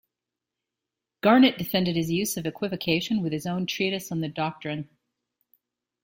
Garnet defended his use of equivocation with his own treatise on the doctrine.